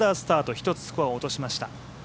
１つスコアを落としました。